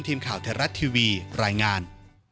ทีมข่าวไทยรัฐทีวีรายงาน